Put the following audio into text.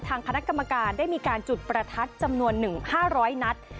ทางพนักกรรมการได้มีการจุดประทัดจำนวน๑ห้าร้อยนัด